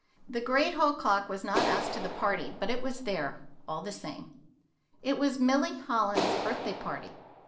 The great hall clock was not asked to the party, but it was there, all the same. It was Milly Holland's birthday party.